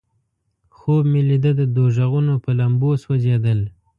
خوب مې لیده د دوزخونو په لمبو سوځیدل.